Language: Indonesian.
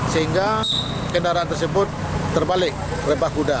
sehingga kendaraan tersebut terbalik rempah kuda